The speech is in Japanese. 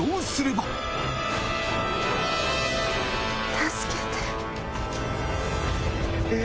助けて。